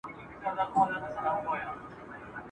نه غماز راته دېره وي نه سهار سي له آذانه ..